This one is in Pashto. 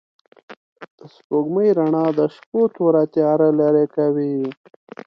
د سپوږمۍ رڼا د شپو توره تياره لېرې کوي.